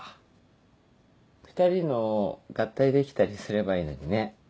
２人のを合体できたりすればいいのにね。